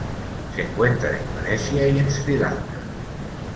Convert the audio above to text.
Se encuentra en Indonesia y en Sri Lanka.